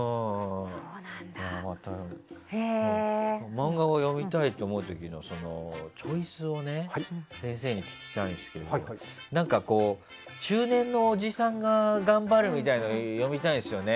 漫画が読みたいと思う時のチョイスを先生に聞きたいんですが中年のおじさんが頑張るみたいなものが読みたいんですよね。